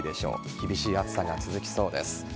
厳しい暑さが続きそうです。